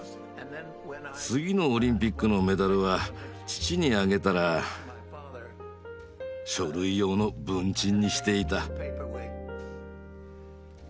次のオリンピックのメダルは父にあげたら書類用の文鎮にしていた。